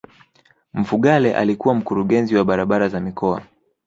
mfugale alikuwa mkurugenzi wa barabara za mikoa